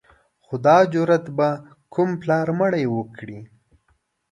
خو دا جرأت به کوم پلار مړی وکړي.